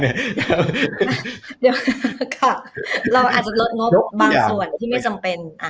เราอาจลดงบบางส่วนที่ไม่สัมเป็น